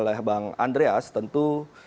oleh bang andreas tentu